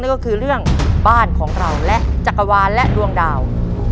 ก็คือเรื่องบ้านของเราและจักรวาลและดวงดาว